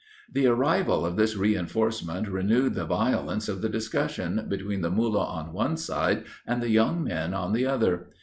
The arrival of this reinforcement renewed the violence of the discussion, between the Mullah on one side, and the young men on the other.